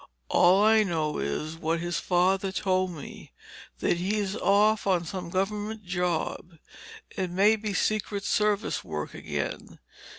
"All I know is what his father told me—that he's off on some government job. It may be Secret Service work, again.